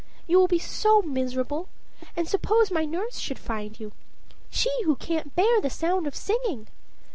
You will be so miserable; and suppose my nurse should find you she who can't bear the sound of singing?